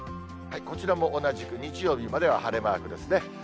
こちらも同じく日曜日までは晴れマークですね。